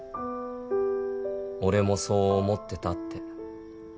「俺もそう思ってたって」